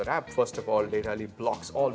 tapi fitur yang paling penting di datally